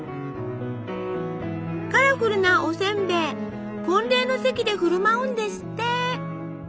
カラフルなおせんべい婚礼の席で振る舞うんですって！